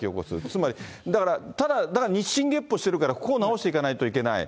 つまりだから、ただ、だから、日進月歩してるから、ここを直していかないといけない。